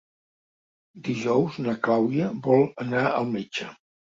Dijous na Clàudia vol anar al metge.